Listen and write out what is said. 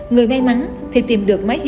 người may mắn thì tìm được